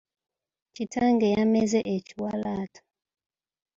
Kitange yameze ekiwalaata.